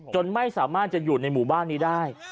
ไม่สามารถจะอยู่ในหมู่บ้านนี้ได้